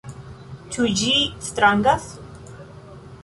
Ĉu ĝi strangas?